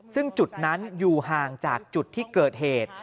ซึ่งจุดนั้นอยู่ห่างจากจุดที่เกิดเหตุ